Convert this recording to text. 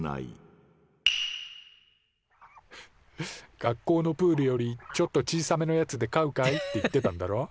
「学校のプールよりちょっと小さめのやつで飼うかい？」って言ってたんだろ？